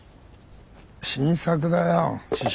新作だよ。